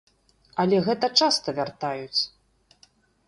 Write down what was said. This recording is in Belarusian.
Але гэта часта вяртаюць.